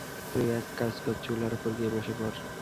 তুই এক কাজ কর, চুলার উপর গিয়ে বসে পড়।